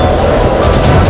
itu udah gila